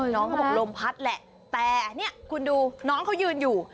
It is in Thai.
น้องเขาบอกลมพัดแหละแต่เนี่ยคุณดูน้องเขายืนอยู่